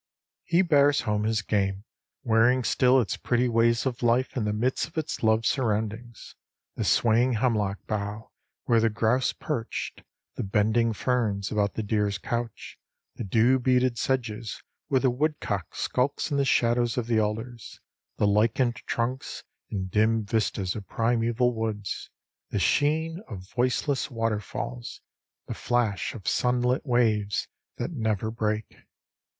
He bears home his game, wearing still its pretty ways of life in the midst of its loved surroundings, the swaying hemlock bough where the grouse perched, the bending ferns about the deer's couch, the dew beaded sedges where the woodcock skulks in the shadows of the alders, the lichened trunks and dim vistas of primeval woods, the sheen of voiceless waterfalls, the flash of sunlit waves that never break.